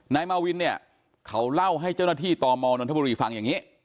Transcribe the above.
นายมาวินเนี่ยเขาเล่าให้เจ้าหน้าที่ตมนนทบุรีฟังอย่างนี้